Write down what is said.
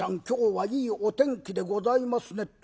今日はいいお天気でございますね』